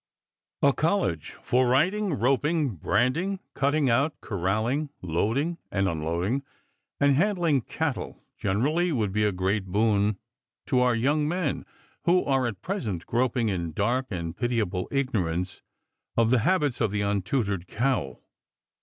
A college for riding, roping, branding, cutting out, corralling, loading and unloading, and handling cattle generally, would be a great boon to our young men, who are at present groping in dark and pitiable ignorance of the habits of the untutored cow.